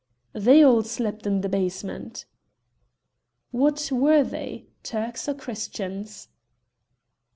"They all slept in the basement." "What were they, Turks or Christians?"